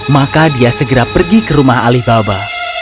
maka dia segera pergi ke rumah alibaba